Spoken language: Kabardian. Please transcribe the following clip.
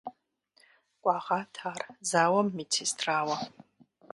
Кӏуэгъат ар зауэм медсестрауэ.